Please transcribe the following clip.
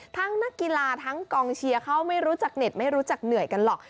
นักกีฬาทั้งกองเชียร์เขาไม่รู้จักเน็ตไม่รู้จักเหนื่อยกันหรอก